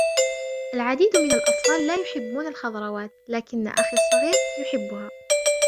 العديد من الأطفال لا يُحبون الخضروات, لكن أخي الصغير يُحبُها.